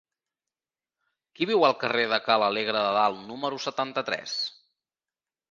Qui viu al carrer de Ca l'Alegre de Dalt número setanta-tres?